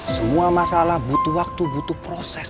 semua masalah butuh waktu butuh proses